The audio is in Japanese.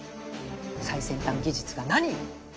最先端技術が何よ。